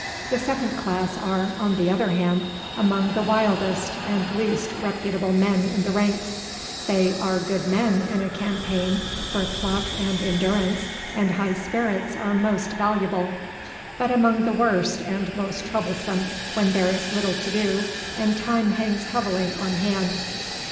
The second class are, on the other hand, among the wildest and least reputable men in the ranks. They are good men in a campaign where pluck and endurance and high spirits are most valuable, but among the worst and most troublesome when there is little to do and time hangs heavily on hand.